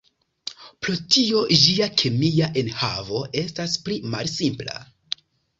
Pro tio ĝia kemia enhavo estas pli malsimpla.